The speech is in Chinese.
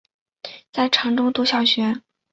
在常州读小学。